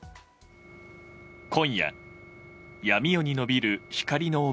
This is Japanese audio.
今夜、闇夜に伸びる光の帯。